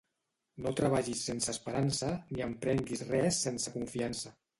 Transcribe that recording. No treballis sense esperança ni emprenguis res sense confiança.